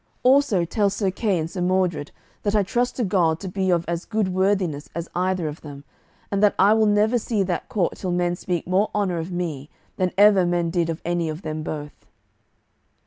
Also tell Sir Kay and Sir Mordred that I trust to God to be of as good worthiness as either of them, and that I will never see that court till men speak more honour of me than ever men did of any of them both."